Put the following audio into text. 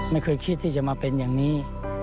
ไม่เคยคิดที่จะมาเป็นอย่างนี้